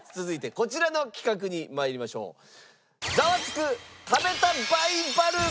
続いてこちらの企画にまいりましょう。